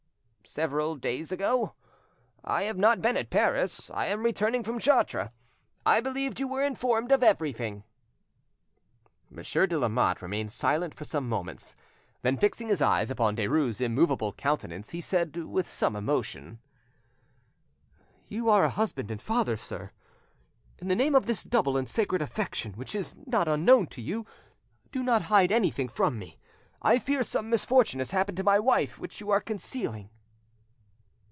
"Several days ago. I have not been at Paris; I am returning from Chartres. I believed you were informed of everything." Monsieur de Lamotte remained silent for some moments. Then, fixing his eyes upon Derues' immovable countenance, he said, with some emotion— "You are a husband and father, sir; in the name of this double and sacred affection which is, not unknown to you, do not hide anything from me: I fear some misfortune has happened to my wife which you are concealing."